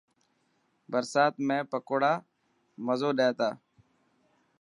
برستا ۾ پڪوڙا مزو ڏي تا.